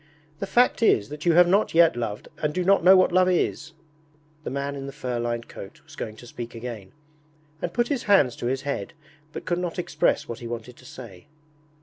'The fact is that you have not yet loved and do not know what love is.' The man in the fur lined coat was going to speak again, and put his hands to his head, but could not express what he wanted to say.